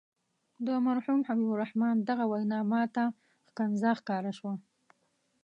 د مرحوم حبیب الرحمن دغه وینا ماته ښکنځا ښکاره شوه.